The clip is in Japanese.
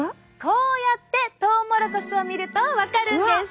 こうやってトウモロコシを見ると分かるんです。